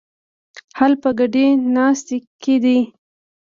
حل په ګډې ناستې کې دی.